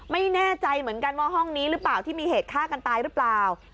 ไม่แน่ใจเหมือนกันว่าห้องนี้หรือเปล่าที่มีเหตุฆ่ากันตายหรือเปล่า